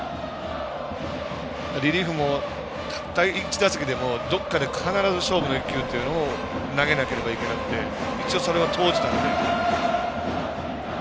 リリーフも、たった１打席でどっかで必ず勝負の１球っていうのを投げなければいけなくて一応、それは投じたので。